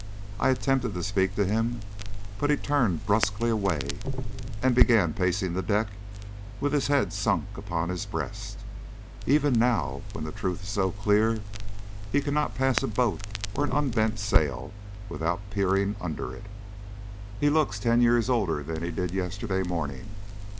I attempted to speak to him, but he turned brusquely away, and began pacing the deck with his head sunk upon his breast. Even now, when the truth is so clear, he cannot pass a boat or an unbent sail without peering under it. He looks ten years older than he did yesterday morning.